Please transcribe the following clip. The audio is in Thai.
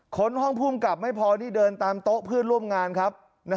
้นห้องภูมิกับไม่พอนี่เดินตามโต๊ะเพื่อนร่วมงานครับ